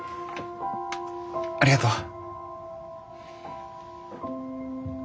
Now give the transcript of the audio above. ありがとう。